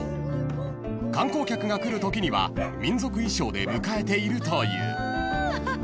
［観光客が来るときには民族衣装で迎えているという］